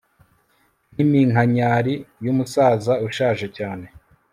Nkiminkanyari yumusaza ushaje cyane